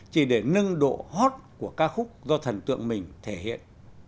chỉ để nâng độ hot của ca khúc do thần tượng mình thể hiện